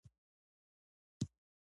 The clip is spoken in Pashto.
د احمد جان غوا ډیره پروړه خوري.